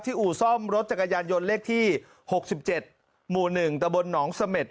ที่อู๋ซ่อมรถจักรยานยนต์เลขที่หกสิบเจ็ดหมู่หนึ่งตะบนหนองเสม็จ